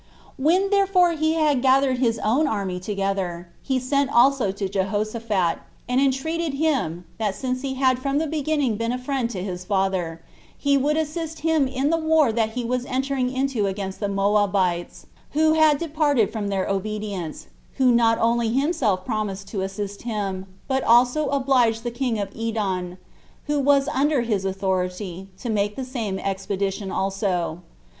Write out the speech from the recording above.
When therefore he had gathered his own army together, he sent also to Jehoshaphat, and entreated him, that since he had from the beginning been a friend to his father, he would assist him in the war that he was entering into against the Moabites, who had departed from their obedience, who not only himself promised to assist him, but would also oblige the king of Edom, who was under his authority, to make the same expedition also.